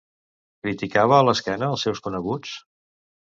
Criticava a l'esquena els seus coneguts?